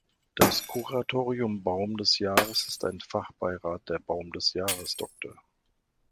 Das "Kuratorium Baum des Jahres" ist ein Fachbeirat der „Baum des Jahres-Dr.